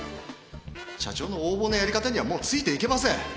社長の横暴なやり方にはもうついていけません。